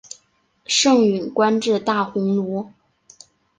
盛允官至大鸿胪。